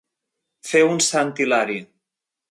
Fer un sant Hilari.